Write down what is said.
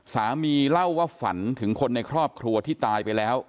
สามีเล่าว่าฝันถึงคนในครอบครัวที่ตายไปแล้ว